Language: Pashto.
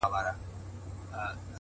پرمختګ له لومړي ګامه پیلېږي!